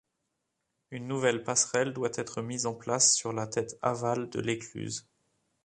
Une nouvelle passerelle doit être mise en place sur la tête aval de l’écluse.